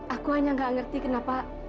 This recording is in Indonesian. aku hanya gak ngerti kenapa